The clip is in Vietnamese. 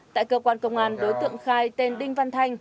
tại cơ quan công an đối tượng khai tên đinh văn thanh